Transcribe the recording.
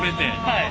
はい。